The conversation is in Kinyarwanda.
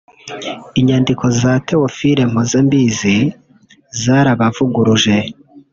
Inyandiko za Théophile Mpozembizi zarabavuguruje